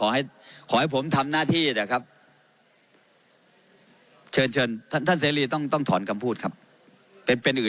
หลายหมดแล้วนะครับดื้อด้านจริงจริงคนนี้แผลแล้วยังดื้อ